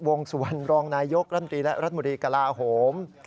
วงสุวรรณรองนายกรัฐบุรีกระลาฮม